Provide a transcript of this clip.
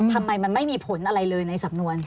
ทำไมมันไม่มีผลอะไรเลยในสำนวน